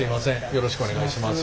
よろしくお願いします。